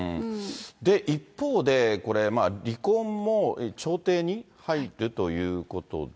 一方で、これ、離婚も調停に入るということで。